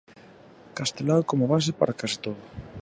Castelao como base para case todo.